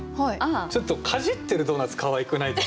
ちょっとかじってるドーナツかわいくないですか？